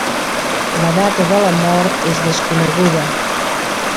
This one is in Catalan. La data de la mort és desconeguda.